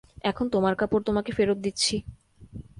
এখন তোমার কাপড় তোমাকে ফেরত দিচ্ছি।